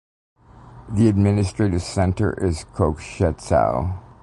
The administrative center is Kokshetau.